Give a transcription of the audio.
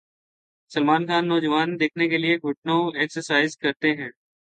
سلمان خان نوجوان دکھنے کیلئے گھنٹوں ایکسرسائز کرتے ہیں